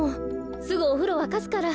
すぐおふろわかすから。